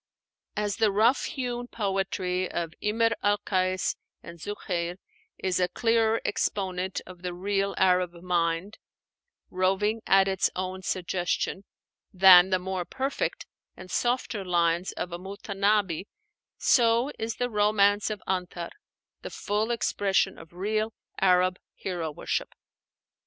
As the rough hewn poetry of Imr al Kais and Zuhéir is a clearer exponent of the real Arab mind, roving at its own suggestion, than the more perfect and softer lines of a Mutanábbi, so is the 'Romance of Antar' the full expression of real Arab hero worship.